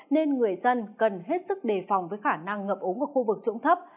nên người dân cần hết sức đề phòng với khả năng ngập ống của khu vực trụng thấp